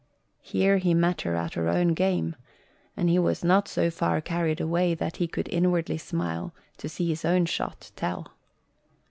Here he met her at her own game, and he was not so far carried away but that he could inwardly smile to see his own shot tell.